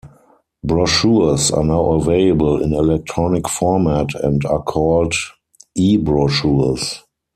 Brochures are now available in electronic format and are called "e-brochures".